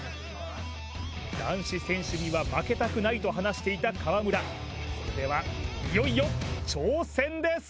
男子選手には負けたくないと話していた川村それではいよいよ挑戦です